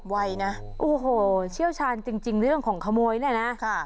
ไวนะโอ้โหเชี่ยวชาญจริงจริงเรื่องของขโมยเนี้ยนะค่ะจ้ะ